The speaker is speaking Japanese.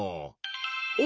お！